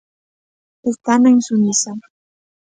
Está na Insumisa.